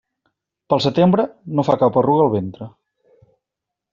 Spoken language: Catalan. Pel setembre, no fa cap arruga el ventre.